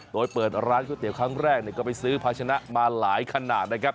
โดยเปิดร้านก๋วยเตี๋ยวครั้งแรกก็ไปซื้อภาชนะมาหลายขนาดนะครับ